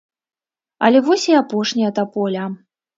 Але вось і апошняя таполя.